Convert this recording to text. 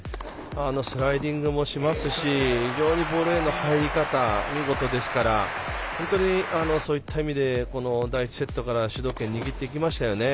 スライディングもしますし非常にボレーの入り方が見事ですから本当にそういった意味でこの第１セットから主導権を握ってきましたよね。